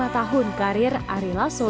dua puluh lima tahun karir arilaso